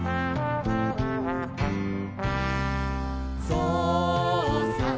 「ぞうさん